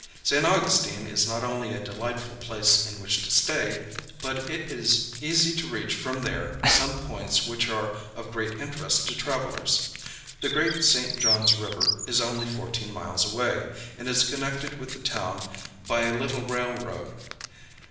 St. Augustine is not only a delightful place in which to stay, but it is easy to reach from there some points which are of great interest to travelers. The great St. John's River is only fourteen miles away, and is connected with the town by a[Pg 117] little railroad.